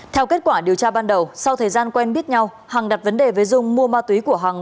theo kết quả điều tra ban đầu sau thời gian quen biết nhau hằng đặt vấn đề với dung mua ma túy của hằng